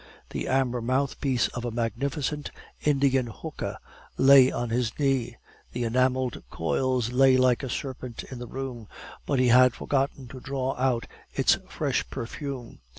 The amber mouthpiece of a magnificent Indian hookah lay on his knee; the enameled coils lay like a serpent in the room, but he had forgotten to draw out its fresh perfume.